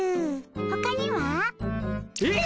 ほかには？えっ？